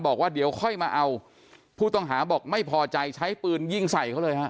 บอกว่าเดี๋ยวค่อยมาเอาผู้ต้องหาบอกไม่พอใจใช้ปืนยิงใส่เขาเลยฮะ